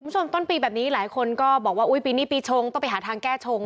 ต้นปีแบบนี้หลายคนก็บอกว่าอุ๊ยปีนี้ปีชงต้องไปหาทางแก้ชง